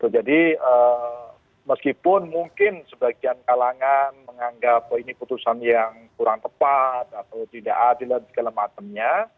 jadi meskipun mungkin sebagian kalangan menganggap ini putusan yang kurang tepat atau tidak adil dan segala macamnya